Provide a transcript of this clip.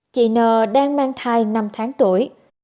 chị n đang mang thai năm tháng tuổi